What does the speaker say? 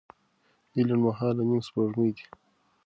دوی لنډمهاله نیمه سپوږمۍ دي.